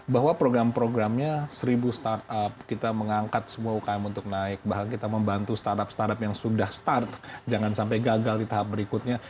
bahwa program programnya seribu startup kita mengangkat semua ukm untuk naik bahkan kita membantu startup startup yang sudah start jangan sampai gagal di tahap berikutnya